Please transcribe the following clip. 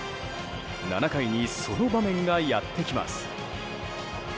７回にその場面がやってきます。